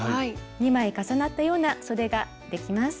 ２枚重なったようなそでができます。